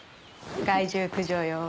害獣駆除用。